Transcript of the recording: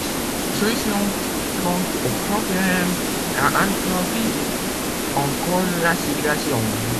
La solution apparente au problème a aggravé encore la situation.